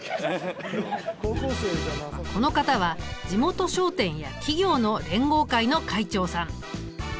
この方は地元商店や企業の連合会の会長さん。